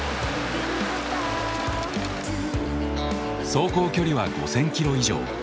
走行距離は５，０００キロ以上。